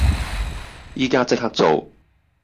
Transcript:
依家即刻做